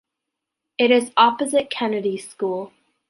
It is opposite Kennedy School.